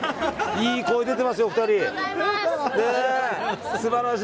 いい声出てますよ、お二人。